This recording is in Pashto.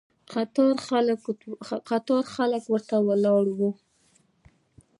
قطار خلک ورته ولاړ وي.